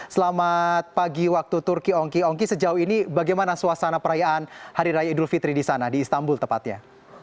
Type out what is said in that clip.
selamat pagi waktu turki ongki ongki sejauh ini bagaimana suasana perayaan hari raya idul fitri di sana di istanbul tepatnya